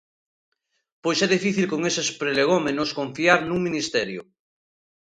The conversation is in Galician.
Pois é difícil con eses prolegómenos confiar nun ministerio.